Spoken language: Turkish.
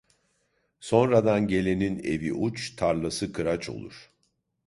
Sonradan gelenin evi uç, tarlası kıraç olur.